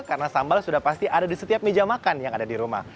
karena sambal sudah pasti ada di setiap meja makan yang ada di rumah